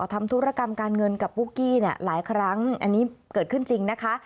ทำธุรกรรมการเงินกับปุ๊กกี้เนี่ยหลายครั้งอันนี้เกิดขึ้นจริงนะคะ